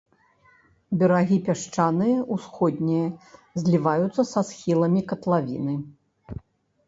Берагі пясчаныя, усходнія зліваюцца са схіламі катлавіны.